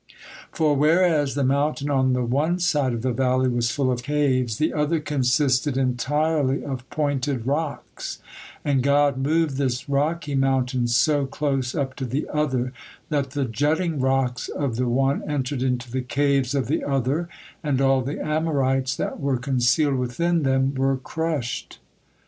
For whereas the mountain on the one side of the valley was full of caves, the other consisted entirely of pointed rocks; and God moved this rocky mountain so close up to the other, that the jutting rocks of the one entered into the caves of the other, and all the Amorites that were concealed within them were crushed.